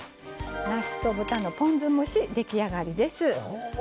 なすと豚のポン酢蒸し出来上がりです。